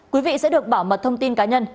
quý vị sẽ được bảo mật thông tin cá nhân